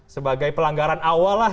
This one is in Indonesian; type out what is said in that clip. sebagai pelanggaran awal lah